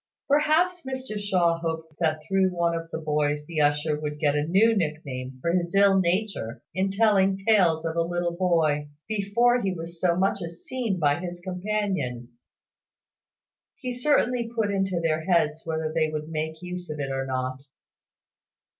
Perhaps Mr Shaw hoped that through one of the boys the usher would get a new nick name for his ill nature in telling tales of a little boy, before he was so much as seen by his companions. He certainly put it into their heads, whether they would make use of it or not.